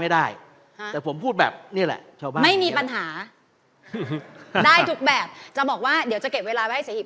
ดิฉันจะถามภาพที่ใหญ่ที่สุดของวันนี้